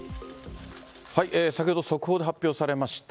先ほど速報で発表されました。